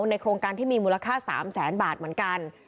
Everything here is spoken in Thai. ในโครงการที่มีมูลค่า๓แสนบาทเหมือนกัน